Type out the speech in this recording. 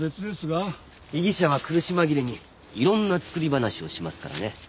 被疑者は苦し紛れに色んな作り話をしますからね。